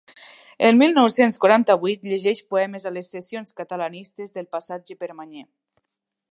El mil nou-cents quaranta-vuit llegeix poemes a les sessions catalanistes del Passatge Permanyer.